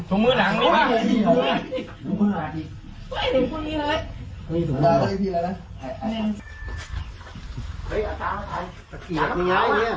ตรงเมืองนางน่ะเว้ย